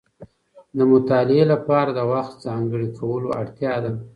د مطالعې لپاره د وخت ځانګړی کولو اړتیا ده.